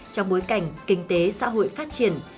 trong bối cảnh kinh tế xã hội phát triển